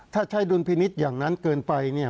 ถ้าใช้ดุลพินิษฐ์อย่างนั้นเกินไปเนี่ย